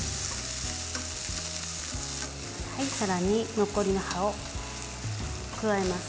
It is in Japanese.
さらに残りの葉を加えます。